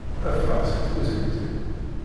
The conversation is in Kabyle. Ffeɣ si tkuzint-iw!